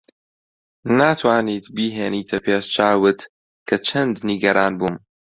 ناتوانیت بیهێنیتە پێش چاوت کە چەند نیگەران بووم.